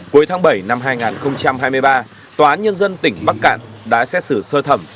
cuối tháng bảy năm hai nghìn hai mươi ba tòa án nhân dân tỉnh bắc cạn đã xét xử sơ thẩm